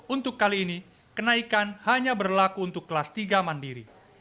untuk kali ini kenaikan hanya berlaku untuk kelas tiga mandiri